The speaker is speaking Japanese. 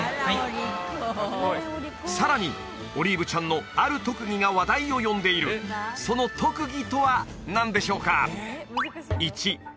さらにオリーブちゃんのある特技が話題を呼んでいるその特技とは何でしょうか？